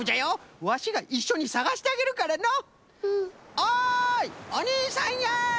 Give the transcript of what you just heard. おいおにいさんやい！